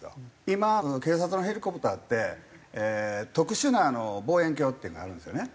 今警察のヘリコプターって特殊な望遠鏡っていうのあるんですよね。